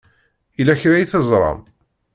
Yella kra i teẓṛam?